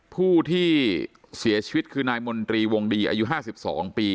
ผู้ที่เสียชีวิตคือนายมนตรีวงดีอายุ๕๒ปี